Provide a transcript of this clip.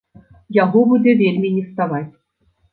Яго будзе вельмі неставаць.